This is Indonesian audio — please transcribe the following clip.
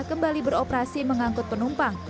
kembali beroperasi mengangkut penumpang